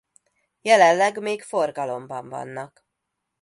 Jelenleg még forgalomban vannak.